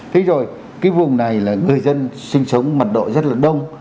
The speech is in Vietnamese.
thế rồi cái vùng này là người dân sinh sống mật độ rất là đông